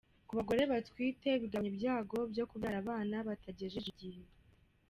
Ku bagore batwite, bigabanya ibyago byo kubyara abana batagejeje igihe.